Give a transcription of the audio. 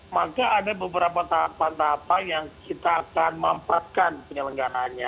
maka ada beberapa tahapan tahapan yang kita akan mampatkan penyelenggaranya